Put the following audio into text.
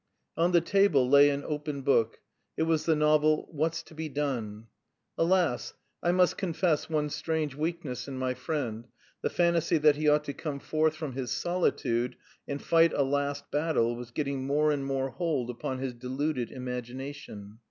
On the table lay an open book. It was the novel, "What's to be done?" Alas, I must confess one strange weakness in my friend; the fantasy that he ought to come forth from his solitude and fight a last battle was getting more and more hold upon his deluded imagination.